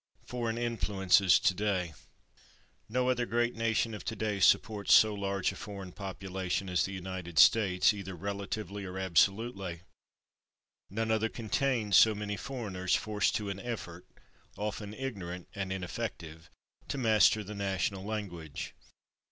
§ 4 /Foreign Influences Today/ No other great nation of today supports so large a foreign population as the United States, [Pg150] either relatively or absolutely; none other contains so many foreigners forced to an effort, often ignorant and ineffective, to master the national language.